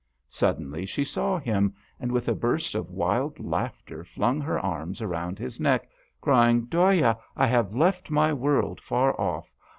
Suddenly she saw him, and with a burst of wild laughter flung her arms around his neck, crying, " Dhoya, I have left my world far off.